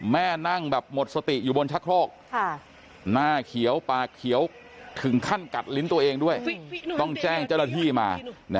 แม่นั่งแบบหมดสติอยู่บนชะโครกหน้าเขียวปากเขียวถึงขั้นกัดลิ้นตัวเองด้วยต้องแจ้งเจ้าหน้าที่มา